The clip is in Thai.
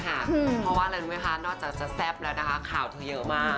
เพราะว่าแลนด์ไวฮาร์ดนอกจากจะแซ่บแล้วนะคะข่าวเธอเยอะมาก